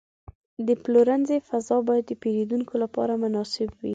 د پلورنځي فضا باید د پیرودونکو لپاره مناسب وي.